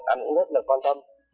anh cũng rất là quan tâm